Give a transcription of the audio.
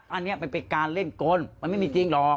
อันนี้มันเป็นการเล่นกลมันไม่มีจริงหรอก